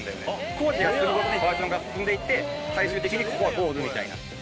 工事が進むごとにバージョンが進んでいって最終的にここがゴールみたいな。